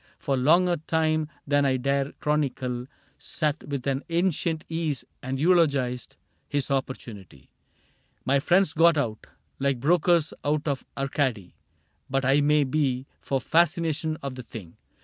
For longer time than I dare chronicle. Sat with an ancient ease and eulogized His opportunity. My friends got out. Like brokers out of Arcady ; but I — May be for fascination of the thing.